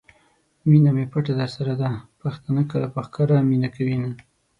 مینه می پټه درسره ده ؛ پښتانه کله په ښکاره مینه کوینه